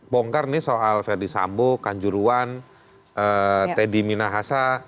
bongkar nih soal verdi sambo kanjuruan teddy minahasa